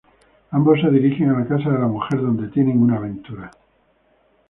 Ambos se dirigen a la casa de la mujer, donde tienen una aventura.